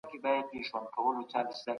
ولسمشر نظامي اډه نه جوړوي.